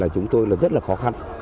chúng tôi là rất là khó khăn